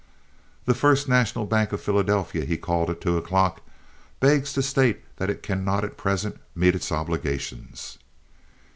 "The First National Bank of Philadelphia," he called, at two o'clock, "begs to state that it cannot at present meet its obligations."